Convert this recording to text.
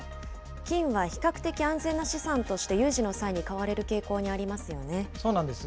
金は比較的安全な資産として有事の際に買われる傾向にありまそうなんです。